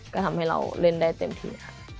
ก็ทำให้เราเล่นได้เต็มที่ค่ะ